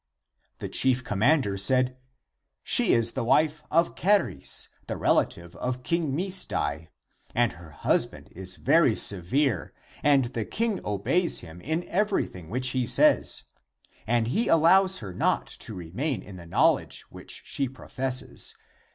The chief commander said, " She is the wife of Charis, the relative of King Misdai. And her husband is very severe and the king obeys him in everything which he says. And he allows her not to remain in the knowledge which she professes.